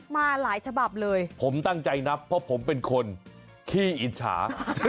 มาหลายฉบับเลยผมตั้งใจนับเพราะผมเป็นคนขี้อิจฉา